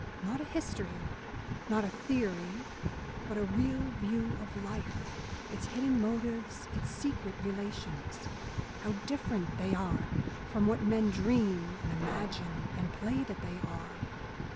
Not a history, not a theory, but a real view of life, its hidden motives, its secret relations. How different they are from what men dream and imagine and play that they are!